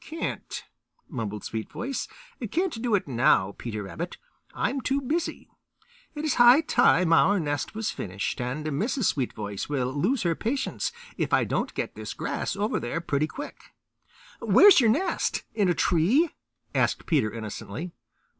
"Can't," mumbled Sweetvoice. "Can't do it now, Peter Rabbit. I'm too busy. It is high time our nest was finished, and Mrs. Sweetvoice will lose her patience if I don't get this grass over there pretty quick." "Where is your nest; in a tree?" asked Peter innocently.